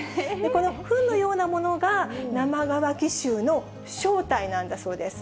このふんのようなものが、生乾き臭の正体なんだそうです。